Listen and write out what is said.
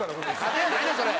家電やないねんそれ。